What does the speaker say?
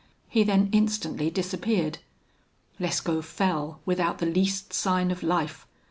He then instantly disappeared. Lescaut fell, without the least sign of life.